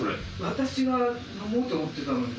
私が飲もうと思ってたのに。